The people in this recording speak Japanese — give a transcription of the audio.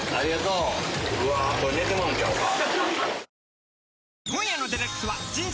うわこれ寝てまうんちゃうか。